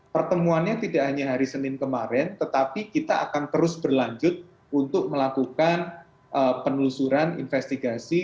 pertemuannya tidak hanya hari senin kemarin tetapi kita akan terus berlanjut untuk melakukan penelusuran investigasi